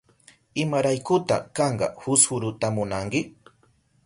¿Imaraykuta kanka fusfuruta munanki?